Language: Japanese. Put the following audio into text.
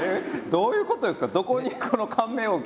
どういうことですか？